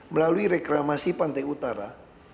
melalui reklamasi pantai utara